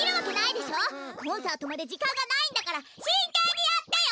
コンサートまでじかんがないんだからしんけんにやってよ！